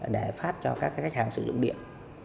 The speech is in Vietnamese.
để phát cho các khách hàng sử dụng điện